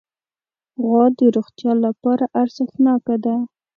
غوا د روغتیا لپاره ارزښتناکه ده.